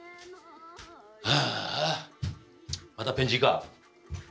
ああまたペン字か。